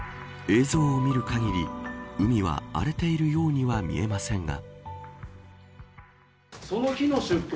映像を見る限り海は荒れているようには見えませんが。